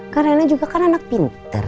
karena juga kan anak pinter